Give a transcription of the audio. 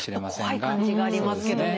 ちょっと怖い感じがありますけどね。